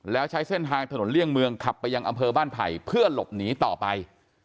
แล้วใช้เส้นทางถนนเลี่ยงเมืองขับไปยังอำเภอบ้านไผ่เพื่อหลบหนีต่อไป